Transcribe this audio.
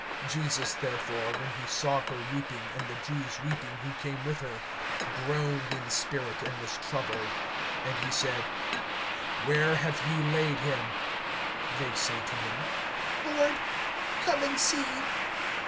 (33)Jesus therefore, when he saw her weeping, and the Jews weeping who came with her, groaned in spirit, and was troubled. (34)And he said: Where have ye laid him? They say to him: Lord, come and see.